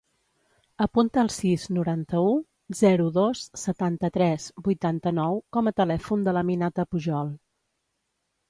Apunta el sis, noranta-u, zero, dos, setanta-tres, vuitanta-nou com a telèfon de l'Aminata Pujol.